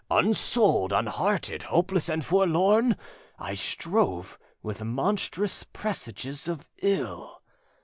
Unsouled, unhearted, hopeless and forlorn, I strove with monstrous presages of ill!